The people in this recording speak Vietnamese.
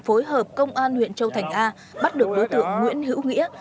phối hợp công an huyện châu thành a bắt được đối tượng nguyễn hữu nghĩa